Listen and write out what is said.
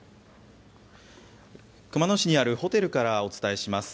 熊野市にあるホテルからお伝えします。